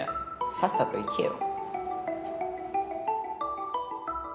さっさと行けよ。